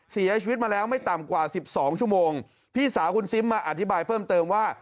เสียชีวิตมาแล้วไม่ต่ำกว่าสิบสองชั่วโมงพี่สาวคุณซิมมาอธิบายเพิ่มเติมว่า